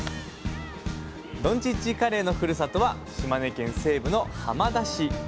どんちっちカレイのふるさとは島根県西部の浜田市。